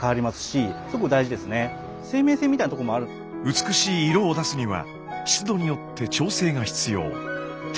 美しい色を出すには湿度によって調整が必要。